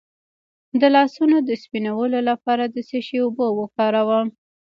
د لاسونو د سپینولو لپاره د څه شي اوبه وکاروم؟